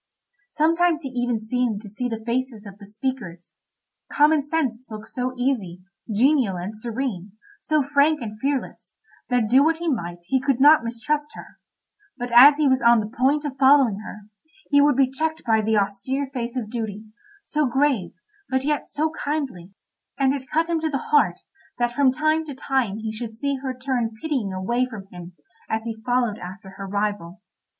Sometimes he even seemed to see the faces of the speakers. Common Sense looked so easy, genial, and serene, so frank and fearless, that do what he might he could not mistrust her; but as he was on the point of following her, he would be checked by the austere face of Duty, so grave, but yet so kindly; and it cut him to the heart that from time to time he should see her turn pitying away from him as he followed after her rival.